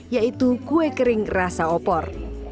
yaitu kue kering rasa opor